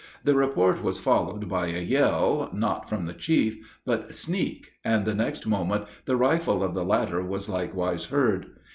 The report was followed by a yell, not from the chief, but Sneak, and the next moment the rifle of the latter was likewise heard.